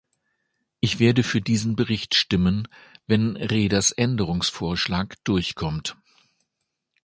Ich werde für diesen Bericht stimmen, wenn Rehders Änderungsvorschlag durchkommt.